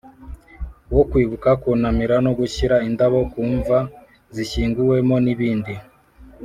Wo kwibuka kunamira no gushyira indabo ku mva zishyinguyemo n ibindi